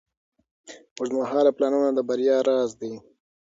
اوږدمهاله پلانونه د بریا راز دی.